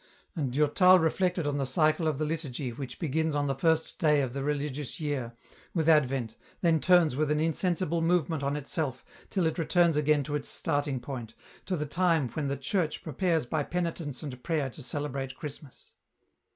And Durtal reflected on the cycle of the liturgy which begins on the first day of the religious year, with Advent, then turns with an insensible movement on itself till it returns again to its starting point, to the time when the Church prepares by penitence and prayer to celebrate Christmas.